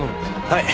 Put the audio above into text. はい。